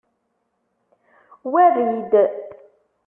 Werri-d.